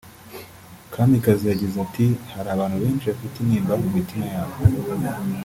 Kamikazi yagize ati “Hari abantu benshi bafite intimba mu mitima yabo